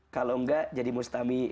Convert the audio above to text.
kalau enggak jadi mustami'